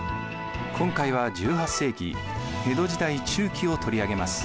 今回は１８世紀江戸時代中期を取り上げます。